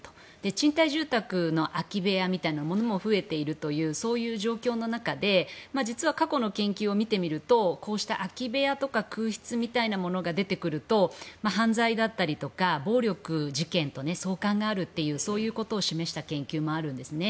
賃貸住宅の空き部屋みたいなものも増えているというそういう状況の中で実は過去の件を見てみるとこうした空き部屋とか空室みたいなものが出てくると犯罪だったりとか暴力事件と相関があるということを示した研究もあるんですね。